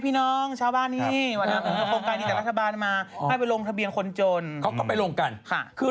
ผู้ใหญ่บ้านก็จะเปิดเพลงลูกทุ่งก่อนนิดนึง